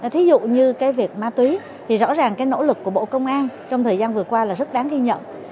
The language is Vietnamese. thí dụ như cái việc ma túy thì rõ ràng cái nỗ lực của bộ công an trong thời gian vừa qua là rất đáng ghi nhận